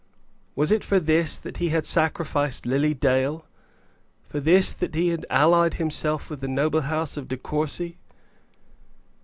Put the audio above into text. Was it for this that he had sacrificed Lily Dale? for this that he had allied himself with the noble house of De Courcy?